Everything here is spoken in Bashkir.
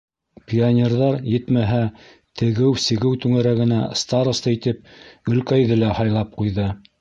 Пионерҙар, етмәһә, тегеү-сигеү түңәрәгенә староста итеп Гөлкәйҙе лә һайлап ҡуйҙы.